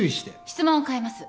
質問を変えます。